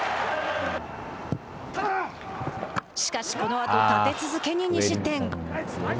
しかし、このあと立て続けに２失点。